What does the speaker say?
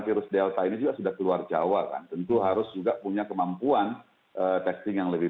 virus delta ini juga sudah keluar jawa kan tentu harus juga punya kemampuan testing yang lebih